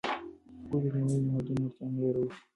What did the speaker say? ولې د ټولنیزو نهادونو اړتیا مه ردوې؟